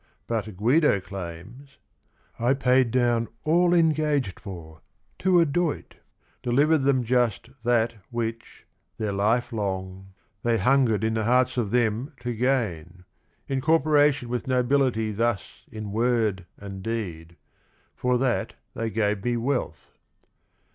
But Guido claims, f'l paid down all engaged for, to a doit; Delivered them just that which, their life long, 60 THE RING AND THE BOOK They hungered in the hearts of them to gain — Incorporation with nobility thus In word and deed : for that they gave me wealth."